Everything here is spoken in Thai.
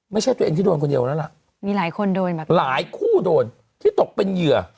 ไม่ใช่ตัวเองที่โดนคนเดียวแล้วล่ะมีหลายคนโดนมาหลายคู่โดนที่ตกเป็นเหยื่อ